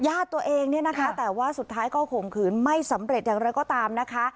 ญาติตัวเองเนี่ยนะคะแต่ว่าสุดท้ายก็ข่มขืนไม่สำเร็จอย่างไรก็ตามนะคะ